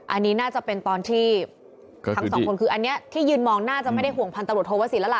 อันนี้น่าจะเป็นตอนที่ทั้งสองคนคืออันนี้ที่ยืนมองน่าจะไม่ได้ห่วงพันตำรวจโทวสินแล้วล่ะ